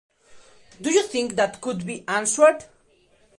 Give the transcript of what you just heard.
Do you think that could be answered?